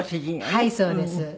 はいそうです。